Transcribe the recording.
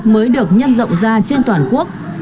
mới được nhân rộng ra trên toàn quốc